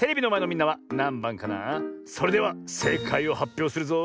それではせいかいをはっぴょうするぞ。